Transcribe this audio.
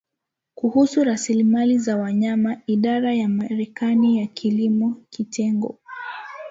kuhusu Rasilimali za Wanyama Idara ya Marekani ya Kilimo Kitengo